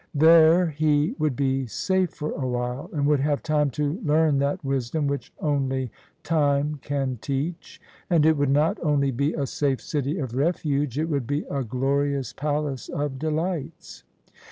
There he would be safe for awhile, and would have time to learn that wisdom which only time can teach. And it would not only be a safe city of refuge: it would be a glorious palace of delights.